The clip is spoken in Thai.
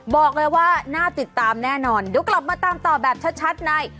บอกเลยว่าน่าติดตามแน่นอนเดี๋ยวกลับมาตามต่อแบบชัดใน